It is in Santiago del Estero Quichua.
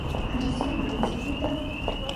ancha sumaq kusikuyta